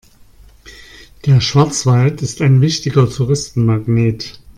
Der Schwarzwald ist ein wichtiger Touristenmagnet.